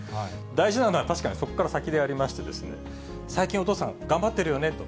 大事なのは確かに、そこから先でありまして、最近、お父さん、頑張ってるよねと。